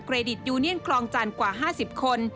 เกรดิตยูเนียนคลองจานกว่า๕๐คน